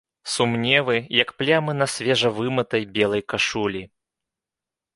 Сумневы, як плямы на свежа вымытай, белай кашулі.